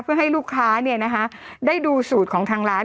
เพื่อให้ลูกค้าเนี่ยนะคะได้ดูสูตรของทางร้าน